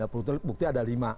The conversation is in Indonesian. ada perutnya bukti ada lima